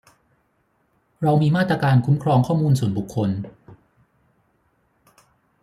เรามีมาตราการคุ้มครองข้อมูลส่วนบุคคล